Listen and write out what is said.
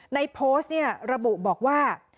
ในโปสต์ระบุบอกว่า